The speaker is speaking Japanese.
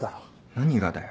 何がだよ。